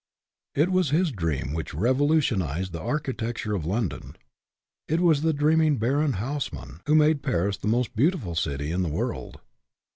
It was his dream which revolutionized the architecture of London. It was the dreaming Baron Haussmann who made Paris the most beautiful city in the world.